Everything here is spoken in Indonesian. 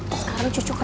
cucu sekarang cucu kerja